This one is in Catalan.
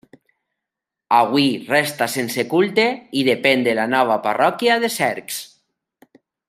Avui resta sense culte i depèn de la nova parròquia de Cercs.